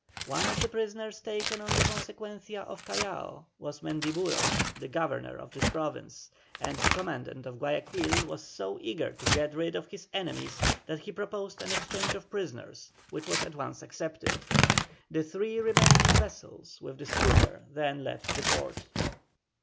One of the prisoners taken on the Consequencia off Callao was Mendiburo, the Governor of this province, and the commandant of Guayaquil was so eager to get rid of his enemies that he proposed an exchange of prisoners, which was at once accepted. The three remaining vessels with the schooner then left the port.